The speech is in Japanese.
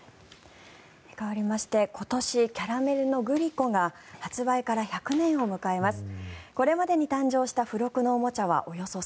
かわりまして今年、キャラメルのグリコが発売から１００年を迎えます。